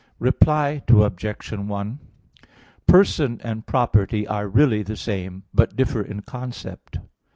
Reply Obj. 1: Person and property are really the same, but differ in concept.